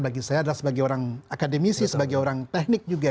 bagi saya adalah sebagai orang akademisi sebagai orang teknik juga